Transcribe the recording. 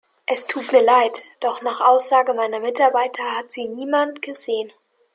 Es tut mir leid, doch nach Aussage meiner Mitarbeiter hat Sie niemand gesehen.